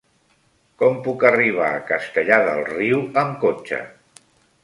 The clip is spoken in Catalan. Com puc arribar a Castellar del Riu amb cotxe?